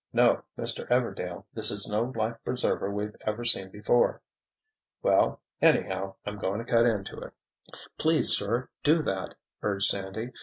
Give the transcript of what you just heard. No, Mr. Everdail, this is no life preserver we've ever seen before." "Well, anyhow, I'm going to cut into it." "Please, sir, do that!" urged Sandy.